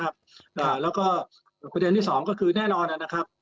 ประเด็นที่๒ก็คือแน่นอน